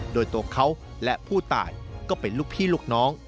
โดยตัวเขาและผู้ตายก็เป็นลูกพี่ลูกน้อง